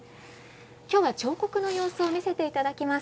きょうは彫刻の様子を見せていただきます。